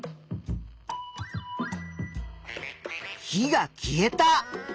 火が消えた。